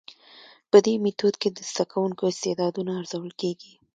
په دي ميتود کي د زده کوونکو استعدادونه ارزول کيږي.